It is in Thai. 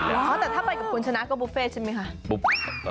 เหรอแต่ถ้าไปกับคุณชนะก็บุฟเฟ่ใช่ไหมคะ